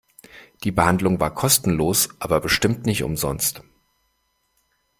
Die Behandlung war kostenlos, aber bestimmt nicht umsonst.